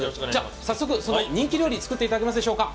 早速人気料理、作っていただけますでしょうか。